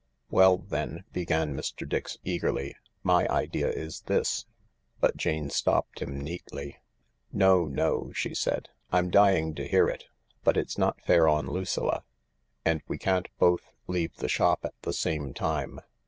"Well, then," began Mr. Dix eagerly, "my idea is this ,. J' But Jane stopped him neatly. " No, no," she said. " I'm dying to hear it, but it's not fair on Lucilla— and we can't both leave the shop at the same time.